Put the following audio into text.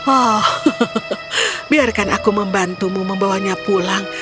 oh biarkan aku membantumu membawanya pulang